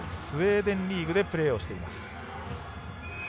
スウェーデンリーグでプレーをしています。